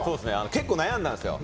結構悩んだんですよ。